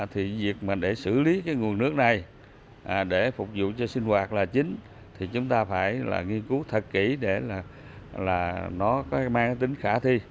thì việc mà để xử lý cái nguồn nước này để phục vụ cho sinh hoạt là chính thì chúng ta phải là nghiên cứu thật kỹ để là nó có mang tính khả thi